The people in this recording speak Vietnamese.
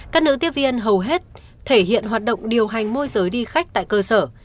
các nữ tiếp viên hầu hết thể hiện hoạt động điều hành môi giới đi khách tại cơ sở